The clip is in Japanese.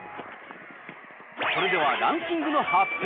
それではランキングの発表。